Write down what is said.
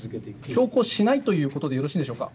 強行しないということでよろしいんでしょうか？